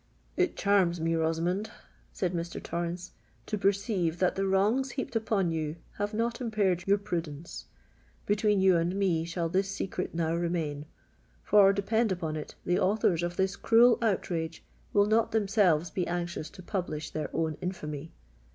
"It charms me, Rosamond," said Mr. Torrens, "to perceive that the wrongs heaped upon you have not impaired your prudence. Between you and me shall this secret now remain,—for, depend upon it, the authors of this cruel outrage will not themselves be anxious to publish their own infamy.